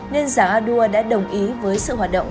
nên giang anua đã đồng ý với sự hoạt động